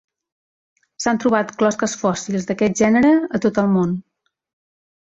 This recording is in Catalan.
S'han trobat closques fòssils d'aquest gènere a tot el món.